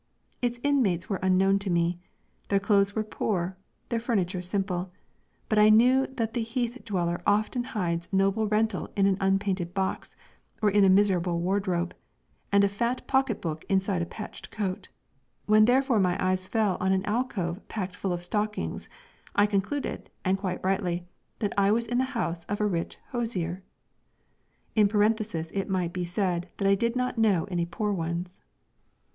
Its inmates were unknown to me. Their clothes were poor, their furniture simple, but I knew that the heath dweller often hides noble rental in an unpainted box or in a miserable wardrobe, and a fat pocketbook inside a patched coat; when therefore my eyes fell on an alcove packed full of stockings, I concluded, and quite rightly, that I was in the house of a rich hosier. (In parenthesis it may be said that I do not know any poor ones.)